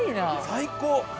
最高！